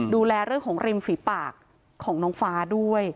ดูแลเรื่องของริมฝีปากของน้องฟ้าด้วย